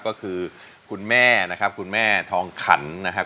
ก็คือคุณแม่นะครับคุณแม่ทองขันนะครับ